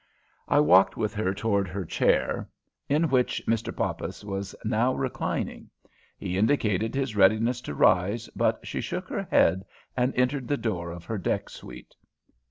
I walked with her toward her chair, in which Mr. Poppas was now reclining. He indicated his readiness to rise, but she shook her head and entered the door of her deck suite.